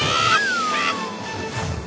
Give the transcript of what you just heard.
ハッ！